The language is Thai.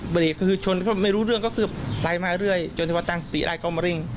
บริเวณคือชนไม่รู้เรื่องก็คือไลน์มาเรื่อยจนถึงว่าตั้งสติไลน์ก็มาริ่ง